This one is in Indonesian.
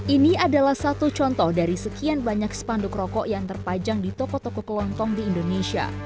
ini adalah satu contoh dari sekian banyak spanduk rokok yang terpajang di toko toko kelontong di indonesia